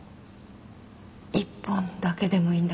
１本だけでもいいんだけど。